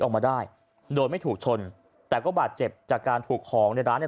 ออกมาได้โดยไม่ถูกชนแต่ก็บาดเจ็บจากการถูกของในร้านเนี่ย